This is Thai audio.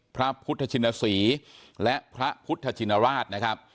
พระพุทธชินศรีและพระพุทธชินราชนะครับ